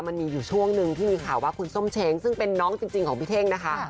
มันมีอยู่ช่วงหนึ่งที่มีข่าวว่าคุณส้มเช้งซึ่งเป็นน้องจริงของพี่เท่งนะคะ